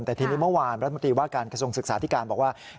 แต่ทีนี้เมื่อวานรัฐมนตรีว่าการกระทรวงศึกษาธิการบอกว่า